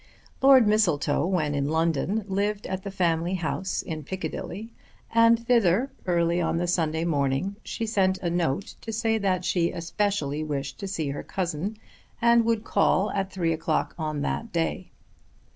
Lord Mistletoe when in London lived at the family house in Piccadilly, and thither early on the Sunday morning she sent a note to say that she especially wished to see her cousin and would call at three o'clock on that day.